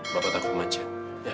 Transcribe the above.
bapak takut macet